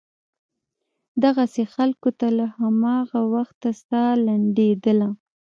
دغسې خلکو ته له هماغه وخته سا لنډېدله.